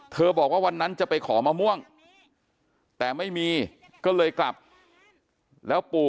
บอกว่าวันนั้นจะไปขอมะม่วงแต่ไม่มีก็เลยกลับแล้วปู่